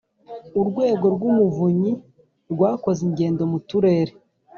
Urwego rw’Umuvunyi rwakoze ingendo mu turere